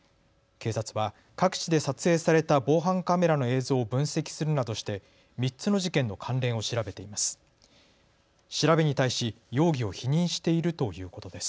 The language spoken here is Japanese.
警察は各地で撮影された防犯カメラの映像を分析するなどして３つの事件の関連を調べています。